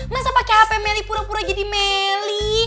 masa pake handphone meli pura pura jadi meli